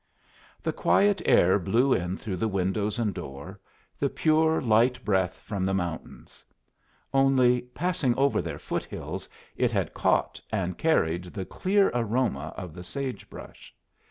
The quiet air blew in through the windows and door, the pure, light breath from the mountains; only, passing over their foot hills it had caught and carried the clear aroma of the sage brush.